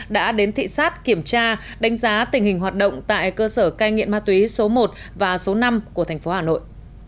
đã đến thị xát kiểm tra đánh giá tình hình hoạt động tại cơ sở ca nghiện ma túy số một và số năm của thành phố hà nội